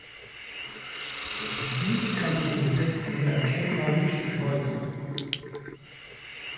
Dies kann vom Gesetzgeber erkennbar nicht gewollt sein.